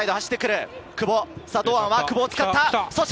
堂安は久保を使った！来た！